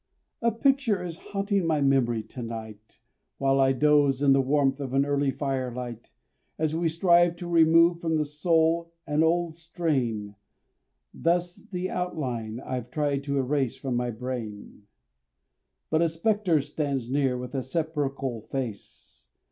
A picture is haunting my memory to night, While I dose in the warmth of an early fire light. As we strive to remove from the soul an old strain, Thus the outline I've tried to erase from my brain; But a specter stands near with sepulchral face.